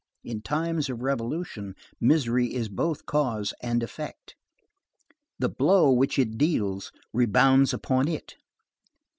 In times of revolution misery is both cause and effect. The blow which it deals rebounds upon it.